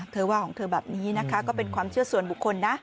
ว่าของเธอแบบนี้นะคะก็เป็นความเชื่อส่วนบุคคลนะ